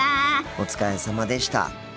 お疲れさまでした。